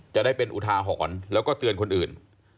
จะได้เป็นอุทาหรณ์แล้วก็เตือนคนอื่น